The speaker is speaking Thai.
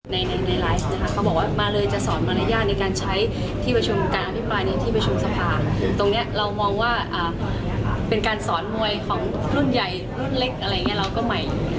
ในในไลฟ์นะคะเขาบอกว่ามาเลยจะสอนมารยาทในการใช้ที่ประชุมการอภิปรายในที่ประชุมสภาตรงนี้เรามองว่าเป็นการสอนมวยของรุ่นใหญ่รุ่นเล็กอะไรอย่างนี้เราก็ใหม่